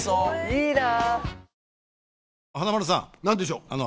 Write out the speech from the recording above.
いいな！